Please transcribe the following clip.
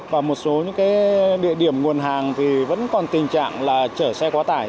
và một số những địa điểm nguồn hàng thì vẫn còn tình trạng là chở xe quá tải